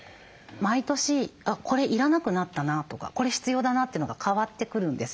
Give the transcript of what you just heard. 毎年これ要らなくなったなとかこれ必要だなっていうのが変わってくるんです。